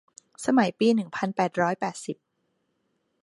สมัยปีหนึ่งพันแปดร้อยแปดสิบ